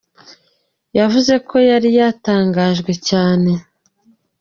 Yavuze ko yari yatangajwe cyane.